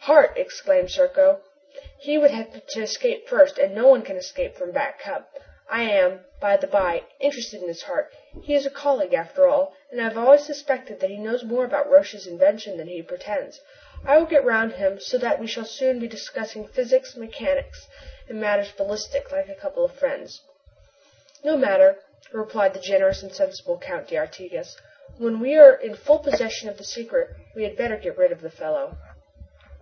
"Hart!" exclaimed Serko. "He would have to escape first and no one can escape from Back Cup. I am, by the bye, interested in this Hart. He is a colleague, after all, and I have always suspected that he knows more about Roch's invention than he pretends. I will get round him so that we shall soon be discussing physics, mechanics, and matters ballistic like a couple of friends." "No matter," replied the generous and sensible Count d'Artigas, "when we are in full possession of the secret we had better get rid of the fellow."